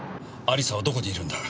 亜里沙はどこにいるんだ？